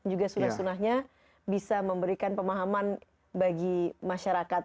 juga sunnah sunnahnya bisa memberikan pemahaman bagi masyarakat